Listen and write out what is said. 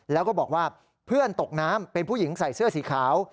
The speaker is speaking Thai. แล้วก็บอกว่าเพื่อนตกน้ำเป็นผู้หญิงใส่เสื้อสีขาว